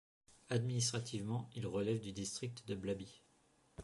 Administrativement, il relève du district de Blaby.